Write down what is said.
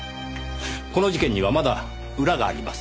この事件にはまだ裏があります。